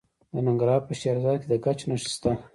د ننګرهار په شیرزاد کې د ګچ نښې شته.